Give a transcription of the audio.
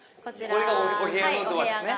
これがお部屋のドアですね。